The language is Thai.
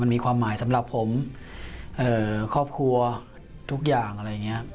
มันมีความหมายสำหรับผมครอบครัวทุกอย่างอะไรอย่างนี้